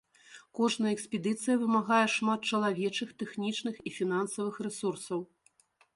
Кожная экспедыцыя вымагае шмат чалавечых, тэхнічных і фінансавых рэсурсаў.